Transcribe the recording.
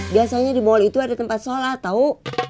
biasanya di mal itu ada tempat sholat tau